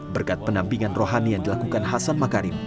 berkat penampingan rohani yang dilakukan hasan makarim